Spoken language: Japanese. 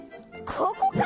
ここか！